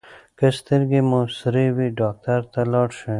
که سترګې مو سرې وي ډاکټر ته لاړ شئ.